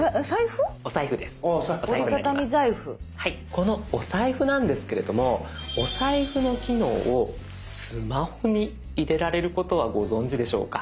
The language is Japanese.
このおサイフなんですけれどもおサイフの機能をスマホに入れられることはご存じでしょうか？